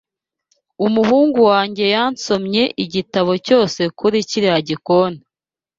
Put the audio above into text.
Umuhungu wanjye yasomye igitabo cyose kuri kiriya gikoni.